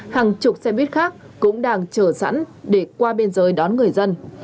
hàng chục xe buýt khác cũng đang chở sẵn để qua bên dưới đón người dân